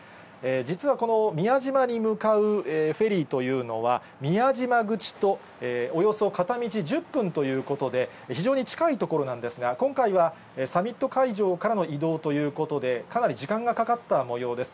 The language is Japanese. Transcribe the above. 実は、この宮島に向かうフェリーというのは、宮島口とおよそ片道１０分ということで、非常に近い所なんですが、今回はサミット会場からの移動ということで、かなり時間がかかったもようです。